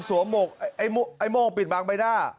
ไอ้โม่งปิดบางใบหน้า